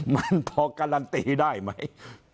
มันพอการันตีได้ไหม